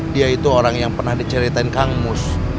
dia itu orang yang pernah diceritain kang mus